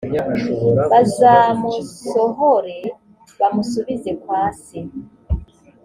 bazamusohore bamusubize kwa se,